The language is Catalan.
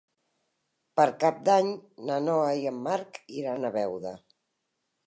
Per Cap d'Any na Noa i en Marc iran a Beuda.